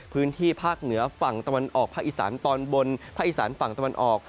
พื้นที่ภาคเหนือฝั่งตะวันออกภาคอีสานตอนบนภาคอีสานฝั่งตะวันออก